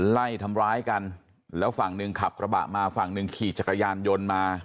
ไล่ทำร้ายกันแล้วฝั่งหนึ่งขับกระบะมาฝั่งหนึ่งขี่จักรยานยนต์มา